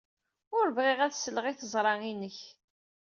Ur bɣiɣ ad sleɣ i teẓra-inek.